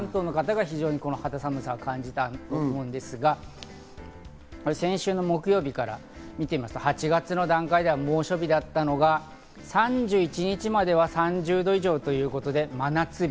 関東の方が肌寒さを非常に感じたと思うんですが、先週の木曜日から見てみますと、８月の段階では猛暑日だったのが、３１日までは３０度以上ということで真夏日。